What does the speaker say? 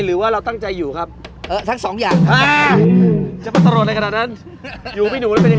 คุณอาร์ทครับอาร์ทครับ